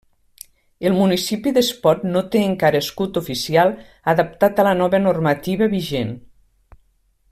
El municipi d'Espot no té encara escut oficial adaptat a la nova normativa vigent.